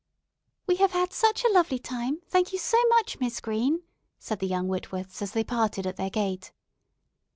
"We have had such a lovely time; thank you so much, Miss Green," said the young Whitworths as they parted at their gate.